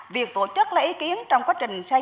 việc tổ chức lấy ý kiến trong quá trình luyện tập